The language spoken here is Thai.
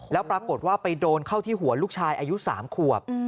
แล้วปรากฏว่าไปโดนเข้าที่หัวลูกชายอายุ๓ขวบ